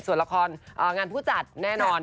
ส่วนละครงานผู้จัดแน่นอน